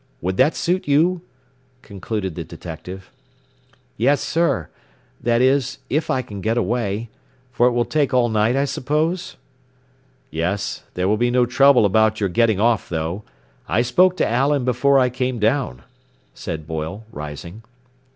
Would that suit you?" concluded the detective. "Yes, sir. That is, if I can get away. For it will take all night, I suppose?" "Yes. There will be no trouble about your getting off, though. I spoke to Allen before I came down," said Boyle, rising.